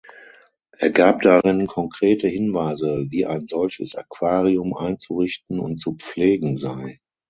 Er gab darin konkrete Hinweise, wie ein solches Aquarium einzurichten und zu pflegen sei.